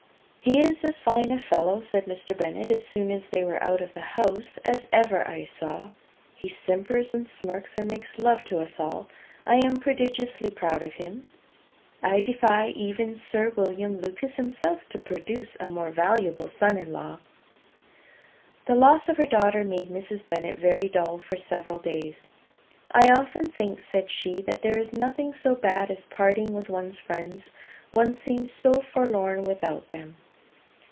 "He is as fine a fellow," said Mr. Bennet, as soon as they were out of the house, "as ever I saw. He simpers, and smirks, and makes love to us all. I am prodigiously proud of him. I defy even Sir William Lucas himself to produce a more valuable son in law." The loss of her daughter made Mrs. Bennet very dull for several days. "I often think," said she, "that there is nothing so bad as parting with one's friends. One seems so forlorn without them."